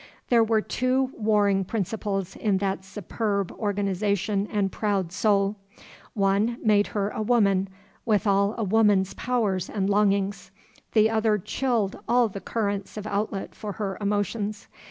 There were two warring principles in that superb organization and proud soul. One made her a woman, with all a woman's powers and longings. The other chilled all the currents of outlet for her emotions.